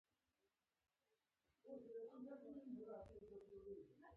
د انګریزانو وزیرانو په دې برخه کې ژمنه کړې ده.